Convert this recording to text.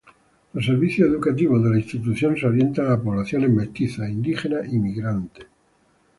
Los servicios educativos de la institución se orientan a poblaciones mestizas, indígenas y migrantes.